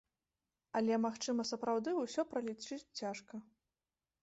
Але, магчыма, сапраўды, усё пралічыць цяжка.